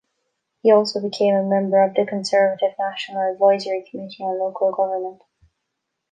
He also became a member of the Conservative National Advisory Committee on local Government.